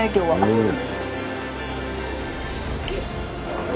うん。